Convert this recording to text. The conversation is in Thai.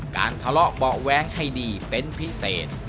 ทะเลาะเบาะแว้งให้ดีเป็นพิเศษ